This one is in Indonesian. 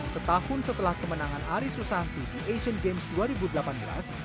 setahun setelah kemenangan aris susanti di asian games dua ribu delapan belas